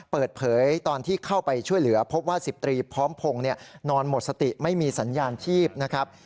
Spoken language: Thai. เปิดเผยตอนที่เข้าไปช่วยเหลือพบว่า๑๐ตรีพร้อมพงศ์นอนหมดสติไม่มีสัญญาณชีพนะครับ